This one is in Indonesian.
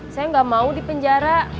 saya nggak mau di penjara